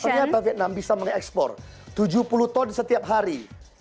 dan perniagaan pak vietnam bisa mengekspor tujuh puluh ton setiap hari